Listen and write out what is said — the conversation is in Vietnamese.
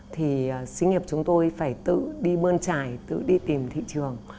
thì sĩ nghiệp chúng tôi phải tự đi mơn trải tự đi tìm thị trường